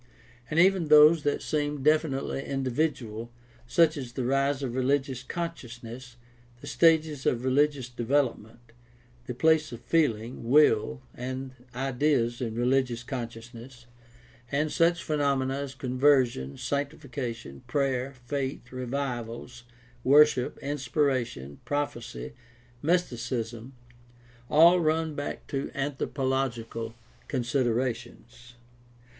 and even those that seem definitely individual, such as the rise of religious consciousness, the stages of religious development, the place of feeling, will, and ideas in religious consciousness, and such phenomena as conversion, sanctification, prayer, faith, revivals, worship, inspiration, prophecy, mysticism, all run back to anthropological considerations.